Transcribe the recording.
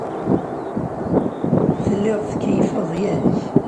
Telliḍ tkeyyfeḍ, yak?